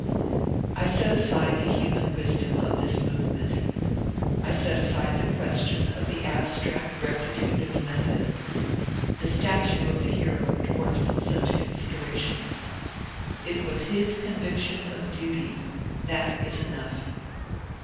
I set aside the human wisdom of this movement. I set aside the question of the abstract rectitude of the method. The stature of the hero dwarfs such considerations. It was his conviction of duty — that is enough.